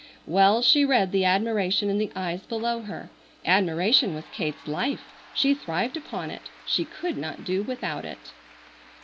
Well she read the admiration in the eyes below her. Admiration was Kate's life: she thrived upon it. She could not do without it.